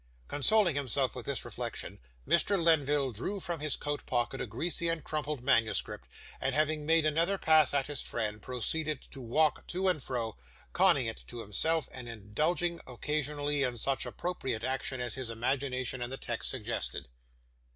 Consoling himself with this reflection, Mr. Lenville drew from his coat pocket a greasy and crumpled manuscript, and, having made another pass at his friend, proceeded to walk to and fro, conning it to himself and indulging occasionally in such appropriate action as his imagination and the text suggested.